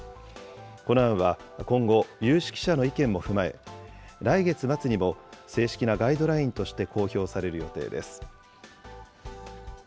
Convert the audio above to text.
この案は今後、有識者の意見も踏まえ、来月末にも、正式なガイドラインとして公表される予定です。